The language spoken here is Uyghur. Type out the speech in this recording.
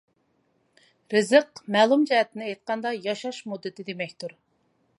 رىزىق مەلۇم جەھەتتىن ئېيتقاندا ياشاش مۇددىتى دېمەكتۇر.